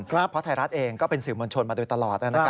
เพราะไทยรัฐเองก็เป็นสื่อมวลชนมาโดยตลอด